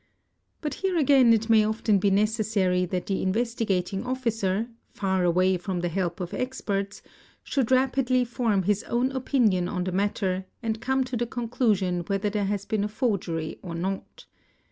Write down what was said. But here again it may often be necessary that the Investigating Officer, far away from the help of experts, should rapidly form his own opinion on the matter _and come to the conclusion whether there has been a forgery or not.